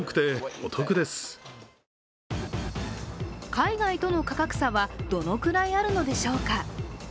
海外との価格差はどのくらいあるのでしょうか。